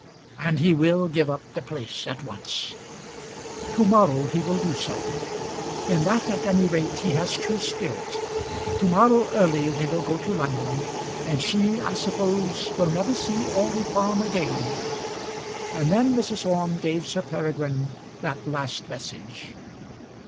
And he will give up the place at once." "To morrow he will do so. In that at any rate he has true spirit. To morrow early they will go to London, and she I suppose will never see Orley Farm again." And then Mrs. Orme gave Sir Peregrine that last message.